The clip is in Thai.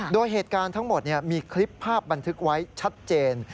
โดยเหตุการณ์ทั้งหมดมีคลิปภาพบันทึกไว้ชัดเจน